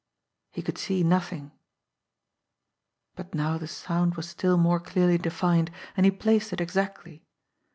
He could see nothing. But now the sound was still more clearly defined, and he placed it exactly.